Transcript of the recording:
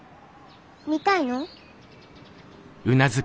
見たいの？